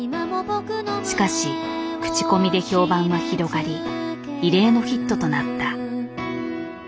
しかし口コミで評判は広がり異例のヒットとなった。